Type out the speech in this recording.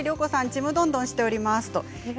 ちむどんどんしてしております。